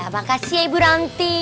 makasih ibu ranti